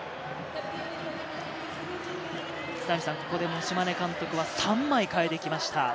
ここでモシマネ監督は３枚代えてきました。